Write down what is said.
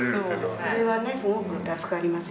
それはねすごく助かります。